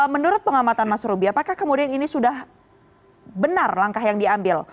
menurut pengamatan mas rubi apakah kemudian ini sudah benar langkah yang diambil